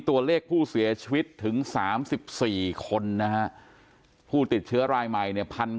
ตัวเลขผู้เสียชีวิตถึง๓๔คนนะฮะผู้ติดเชื้อรายใหม่เนี่ย